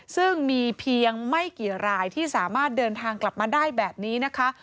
ซึ่งมีเพียงไม่กี่รายที่สามารถเดินทางกลับมาได้แบบนี้นะคะ